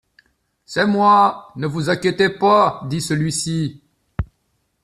C'est moi, ne vous inquiétez pas, dit celui-ci.